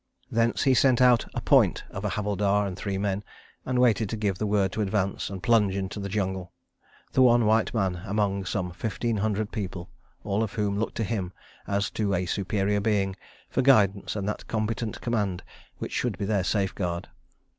Thence he sent out a "point" of a Havildar and three men, and waited to give the word to advance, and plunge into the jungle, the one white man among some fifteen hundred people, all of whom looked to him, as to a Superior Being, for guidance and that competent command which should be their safeguard.